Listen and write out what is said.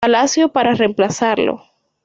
Palacio para reemplazarlo.